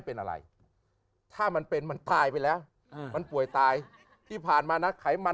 เป็นอะไรถ้ามันเป็นมันตายไปแล้วมันป่วยตายที่ผ่านมานะไขมัน